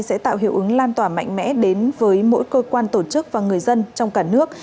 sẽ tạo hiệu ứng lan tỏa mạnh mẽ đến với mỗi cơ quan tổ chức và người dân trong cả nước